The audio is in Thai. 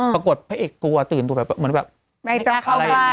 ปรากฏพระเอกกลัวตื่นตัวแบบไม่ต้องเข้าใกล้